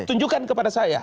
tunjukkan kepada saya